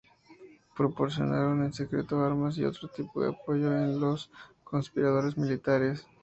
Proporcionaron en secreto armas y otro tipo de apoyo a los conspiradores militares.